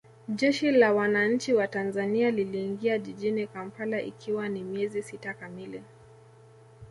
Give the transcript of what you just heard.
Jeshi la Wananchi wa Tanzania liliingia jijini Kampala ikiwa ni miezi sita kamili